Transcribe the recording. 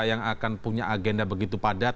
yang akan punya agenda begitu padat